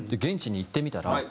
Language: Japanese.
現地に行ってみたら。